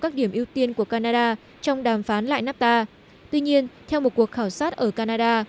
các điểm ưu tiên của canada trong đàm phán lại nafta tuy nhiên theo một cuộc khảo sát ở canada